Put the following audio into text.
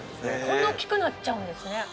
こんな大っきくなっちゃうんですね。